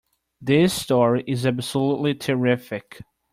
This story is absolutely terrific!